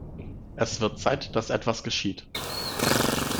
Es wird Zeit, dass etwas geschieht.